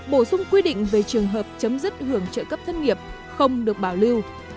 bổ sung quy định về trường hợp chấm dứt hưởng trợ cấp thất nghiệp không được bảo lưu